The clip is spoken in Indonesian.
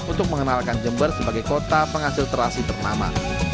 untuk mengenalkan jember sebagai kota penghasil terasi ternama